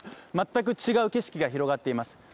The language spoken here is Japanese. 全く違う景色が広がっています。